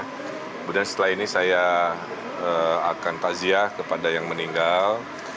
kemudian setelah ini saya akan taziah kepada yang meninggal